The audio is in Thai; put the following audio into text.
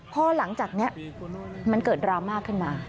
พอหลังจากนี้มันเกิดดราม่าขึ้นมา